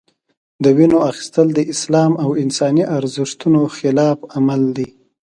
د وینو اخیستل د اسلام او انساني ارزښتونو خلاف عمل دی.